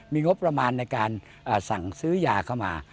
มีงบประมาณในการสั่งซื้อยาเข้ามา